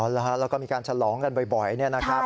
แล้วก็มีการฉลองกันบ่อยเนี่ยนะครับ